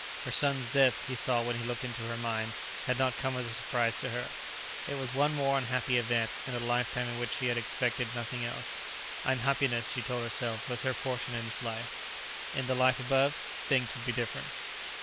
Her son's death, he saw when he looked into her mind, had not come as a surprise to her; it was one more unhappy event, in a lifetime in which she had expected nothing else. Unhappiness, she told herself, was her portion in this life; in the Life Above, things would be different.